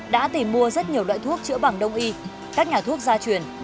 đã tìm mua rất nhiều loại thuốc chữa bằng đông y các nhà thuốc gia truyền